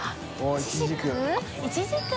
いちじく。